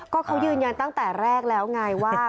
ก็เขายืนยันตั้งแต่แรกแล้วไงว่า